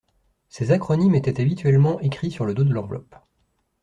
Ces acronymes étaient habituellement écrits sur le dos de l’enveloppe.